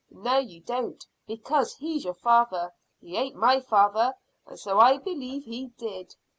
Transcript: "No, you don't, because he's your father. He ain't my father, and so I believe he did."